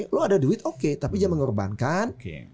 lo ada duit oke tapi dia mengorbankan